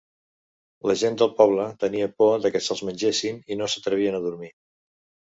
La gent del poble tenia por de que se'ls mengessin i no s'atrevien a dormir.